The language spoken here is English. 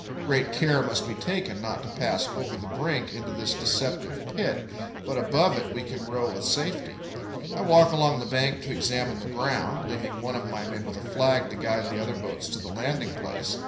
Great care must be taken not to pass over the brink into this deceptive pit, but above it we can row with safety. I walk along the bank to examine the ground, leaving one of my men with a flag to guide the other boats to the landing place.